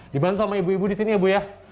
dibantu sama ibu ibu di sini ya bu ya